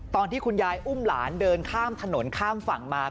ตอนที่คุณยายอุ้มหลานเดินข้ามถนนข้ามฝั่งมา